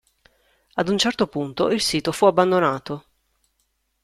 Ad un certo punto il sito fu abbandonato.